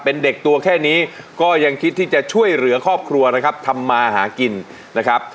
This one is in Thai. เป็นเด็กตัวแค่นี้ก็ยังคิดที่จะช่วยเหลือครอบครัวนะครับทำมาหากินนะครับ